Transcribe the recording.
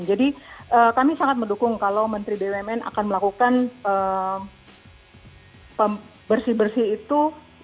jadi kami sangat mendukung kalau menteri bumn akan melakukan bersih bersih itu